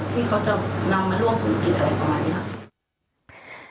ที่เขาจะนำมาร่วมธุรกิจอะไรประมาณนี้ค่ะ